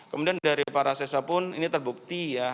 kemudian dari para siswa pun ini terbukti ya